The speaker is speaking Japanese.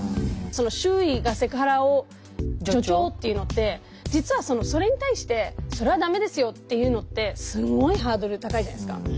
その周囲がセクハラを助長っていうのって実はそれに対して「それは駄目ですよ」って言うのってすごいハードル高いじゃないですか。